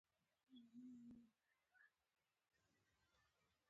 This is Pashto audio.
چې په متحد قوت سره ملي جریانونه.